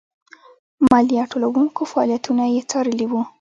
مالیه ټولوونکو فعالیتونه یې څارلي وو.